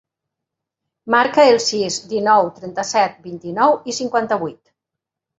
Marca el sis, dinou, trenta-set, vint-i-nou, cinquanta-vuit.